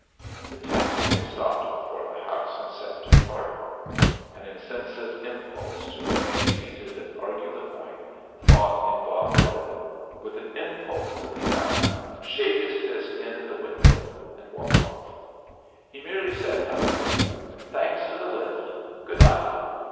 The taxi had stopped before the house in Sefton Park. An insensate impulse to remain seated and argue the point fought in Bob Pillin with an impulse to leap out, shake his fist in at the window, and walk off. He merely said, however: "Thanks for the lift. Good night!"